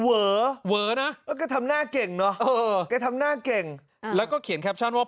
เหวะแล้วก็ทำหน้าเก่งเนอะแล้วก็เขียนแคปชั่นว่า